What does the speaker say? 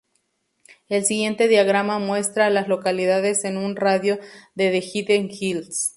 El siguiente diagrama muestra a las localidades en un radio de de Hidden Hills.